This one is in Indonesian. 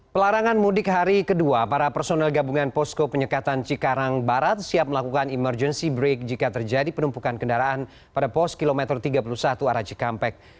pelarangan mudik hari kedua para personel gabungan posko penyekatan cikarang barat siap melakukan emergency break jika terjadi penumpukan kendaraan pada pos km tiga puluh satu arah cikampek